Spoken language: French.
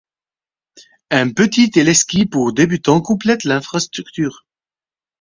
Un petit téléski pour débutants complète l'infrastructure.